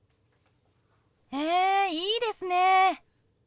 へえいいですね。